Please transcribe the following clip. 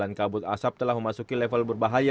bahkan ketebalan kabut asap telah memasuki level berbahaya